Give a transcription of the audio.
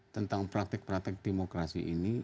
tentang praktik praktik demokrasi ini